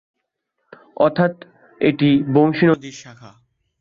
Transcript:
অর্থাৎ এটি বংশী নদীর শাখা।